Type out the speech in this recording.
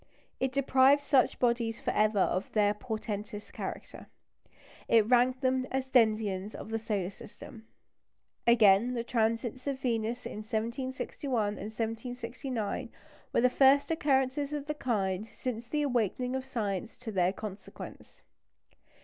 It deprived such bodies for ever of their portentous character; it ranked them as denizens of the solar system. Again, the transits of Venus in 1761 and 1769 were the first occurrences of the kind since the awakening of science to their consequence.